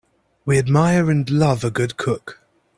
We admire and love a good cook.